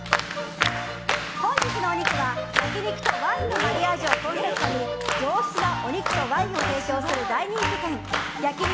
本日のお肉は、焼き肉とワインのマリアージュをコンセプトに上質なお肉とワインを提供する大人気店焼肉